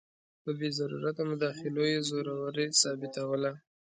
په بې ضرورته مداخلو یې زوروري ثابتوله.